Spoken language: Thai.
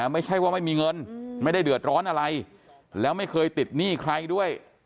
ไม่ใช่ว่าไม่มีเงินไม่ได้เดือดร้อนอะไรแล้วไม่เคยติดหนี้ใครด้วย